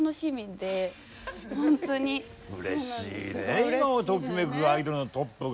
うれしいね今をときめくアイドルのトップが。